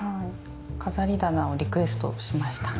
飾り棚をリクエストしました。